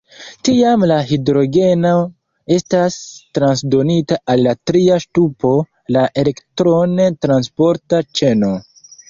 Tiam la hidrogeno estas transdonita al la tria ŝtupo, la elektron-transporta ĉeno.